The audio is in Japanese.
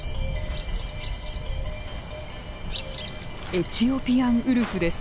エチオピアンウルフです。